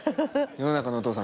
世の中のお父様。